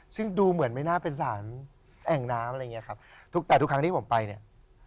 ซึ่งดูเหมือนไม่น่าเป็นสารแอ่งน้ำอะไรอย่างเงี้ยครับทุกแต่ทุกครั้งที่ผมไปเนี่ย